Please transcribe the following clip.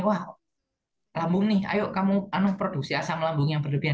wah lambung nih ayo kamu produksi asam lambung yang berlebihan